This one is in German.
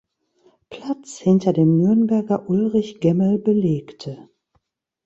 Platz hinter dem Nürnberger Ulrich Gemmel belegte.